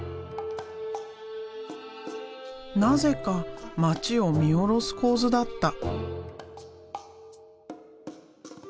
なぜか街を見下ろす構図だった。